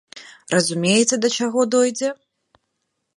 Разумееце да чаго дойдзе?!